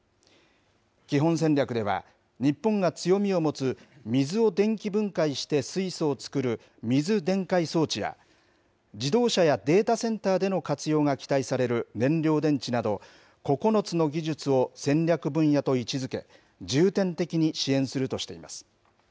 基本戦略では、日本が強みを持つ、水を電気分解して水素を作る水電解装置や、自動車やデータセンターでの活用が期待される燃料電池など、９つの技術を戦略分野と位置づけ、重点的に支援するとしています。